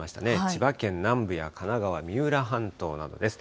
千葉県南部や神奈川・三浦半島などです。